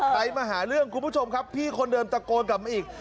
ใครมาหาเรื่องคุณผู้ชมครับพี่คนเดิมตะโกนกลับมาอีก